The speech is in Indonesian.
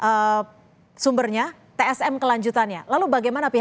kenapa kita harus membantah sesuatu yang sudah jelas dan dikonfirmasi oleh mahkamah konstitusi